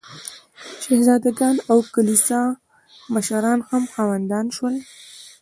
شهزاده ګان او کلیسا مشران هم خاوندان شول.